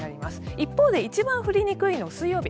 一方で一番降りにくいのは水曜日。